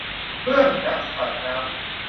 เครื่องจับสัตว์น้ำ